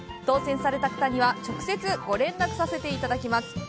当せんされた方には直接、ご連絡させていただきます。